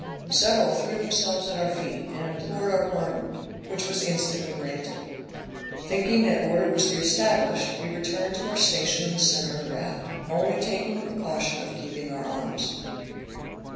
Several threw themselves at our feet, and implored our pardon, which was instantly granted. Thinking that order was re established, we returned to our station on the centre of the raft, only taking the precaution of keeping our arms.